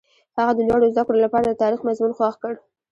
هغه د لوړو زده کړو لپاره د تاریخ مضمون خوښ کړ.